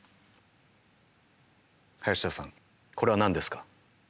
林田さんこれは何ですか？